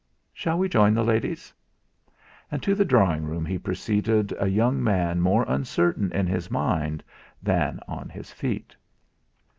Shall we join the ladies?" And to the drawing room he preceded a young man more uncertain in his mind than on his feet....